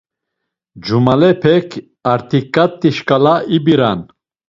Cumalepek artiǩati şkala ibiran.